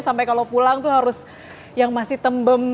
sampai kalau pulang tuh harus yang masih tembem